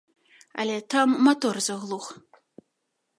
Але там матор заглух.